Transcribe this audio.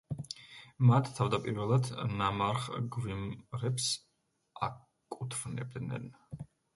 მათ თავდაპირველად ნამარხ გვიმრებს აკუთვნებდნენ.